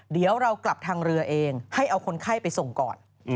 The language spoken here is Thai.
เดี๋ยวเรากลับทางเรือเองให้เอาคนไข้ไปส่งก่อน